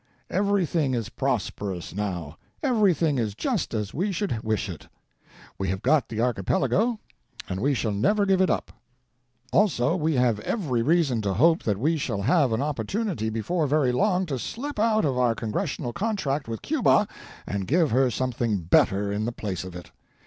Everything is prosperous, now ; everything is just as we should wish it. We have got the Archipelago, and we shall never give it up. Also, we have every reason to hope that we shall have an op portunity before very long to slip out of our Congressional contract with Cuba and give her something better in the place of it.